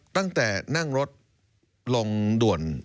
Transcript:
ตั้งแต่นั่งรถลงด่วนยมราตไป